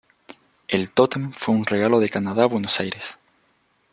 El tótem fue un regalo de Canadá a Buenos Aires.